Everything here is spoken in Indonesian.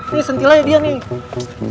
ini sentil aja dia nih